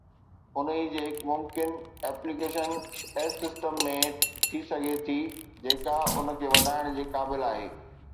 انهي جي هڪ ممڪن ايپليڪيشن ايس سسٽم ۾ ٿي سگهي ٿي جيڪا ان کي وڌائڻ جي قابل آهي